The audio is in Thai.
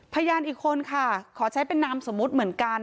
พยานอีกคนค่ะขอใช้เป็นนามสมมุติเหมือนกัน